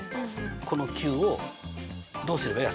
この９をどうすればいい？